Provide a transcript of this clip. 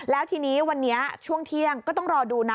แล้วทีนี้วันนี้ช่วงเที่ยงก็ต้องรอดูนะ